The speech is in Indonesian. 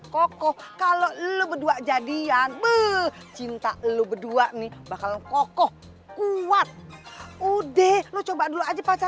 kokoh kalau lu berdua jadian bu hammchella lu berdua nih bakal kokoh kuat uds coba dulu aja